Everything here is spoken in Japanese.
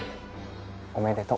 おめでと。